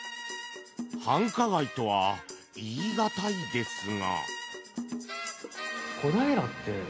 繁華街とは言いがたいですが。